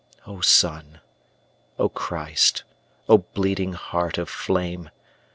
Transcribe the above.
O Sun, O Christ, O bleeding Heart of flame!